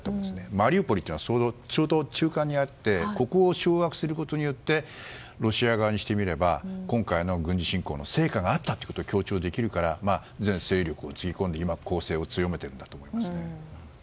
マリウポリはそのちょうど中間にあってここを掌握することでロシア側にしてみれば今回の軍事侵攻の成果があったと強調できるから全勢力をつぎ込んで今、攻勢を強めていると思います。